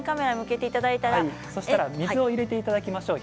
水を入れていただきましょう。